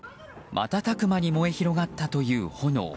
瞬く間に燃え広がったという炎。